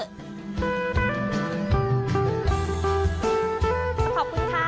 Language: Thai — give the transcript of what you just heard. ขอบคุณค่ะ